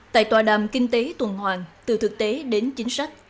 tại tòa đàm kinh tế tuần hoàn từ thực tế đến chính xác